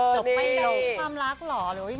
จบไม่ได้ความรักหรอหรือไง